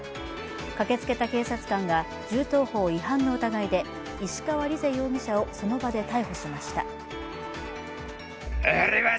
駆けつけた警察官が銃刀法違反の疑いで石川莉世容疑者をその場で逮捕しました。